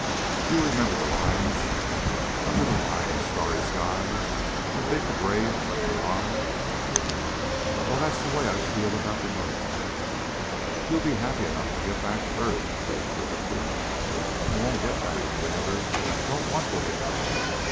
Do you remember the lines: Under the wide and starry sky Oh, dig the grave and let me lie ... Well, that's the way I feel about the moon." "You'll be happy enough to get back to earth," Crag predicted. "I won't get back, Commander. Don't want to get back."